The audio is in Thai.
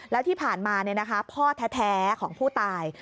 แล้วที่ผ่านมาพ่อแท้ของผู้ตาย